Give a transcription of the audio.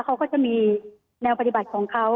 เขาก็จะมีแนวปฏิบัติของเขา